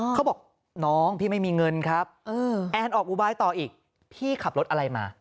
เขาบอกน้องพี่ไม่มีเงินครับแอนออกอุบายต่ออีกพี่ขับรถอะไรมา